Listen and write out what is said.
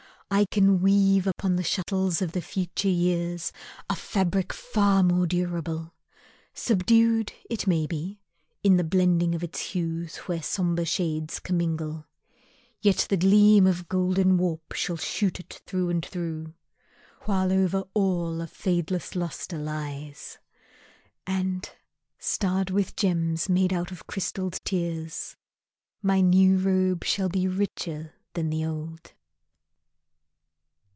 I can weave Upon the shuttles of the future years A fabric far more durable. Subdued, It may be, in the blending of its hues, Where sombre shades commingle, yet the gleam Of golden warp shall shoot it through and through, While over all a fadeless lustre lies, And starred with gems made out of crystalled tears, My new robe shall be richer than the old.